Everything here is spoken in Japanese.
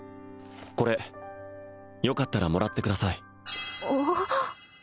これよかったらもらってください